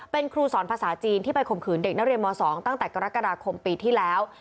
เป็นครูสอนภาษาจีนที่ไปข่มขืนเด็กนักเรียนม๒ตั้งแต่กรกฎาคมปีที่แล้ว